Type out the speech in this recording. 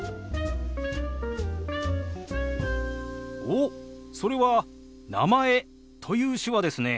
おっそれは「名前」という手話ですね。